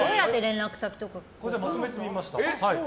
まとめてみました。